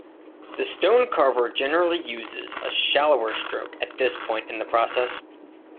The stone carver generally uses a shallower stroke at this point in the process.